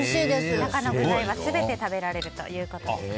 中の具材は全て食べられるということです。